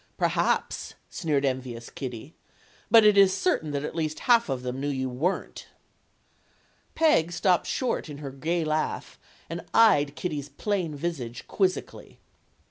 "Perhaps," sneered envious Kitty. "But it is certain that at least half of them knew you weren't." 46 STORIES OF THE SUPER WOMEN' Peg stopped short in her gay laugh and eyed Kitty's plain visage quizzically.